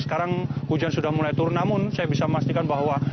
sekarang hujan sudah mulai turun namun saya bisa memastikan bahwa